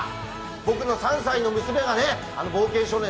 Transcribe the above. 僕の３歳の娘が「冒険少年」